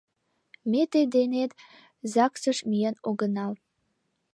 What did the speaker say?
Ме тый денет загсыш миен огынал.